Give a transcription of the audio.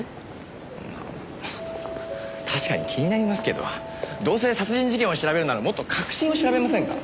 確かに気になりますけどどうせ殺人事件を調べるならもっと核心を調べませんか？